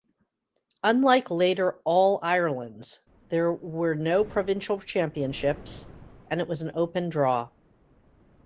Unlike later All-Irelands, there were no provincial championships and it was an open draw.